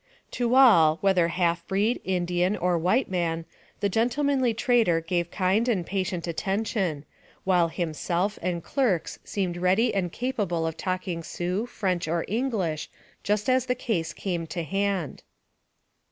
To all, whether half breed, Indian, or white man, the gentlemanly trader gave kind and patient atten tion, while himself and clerks seemed ready and capable of talking Sioux, French, or English, just as the case came to hand.